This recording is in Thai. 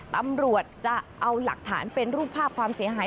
ตำรวจจะเอาหลักฐานเป็นรูปภาพความเสียหาย